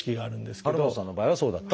遥政さんの場合はそうだった。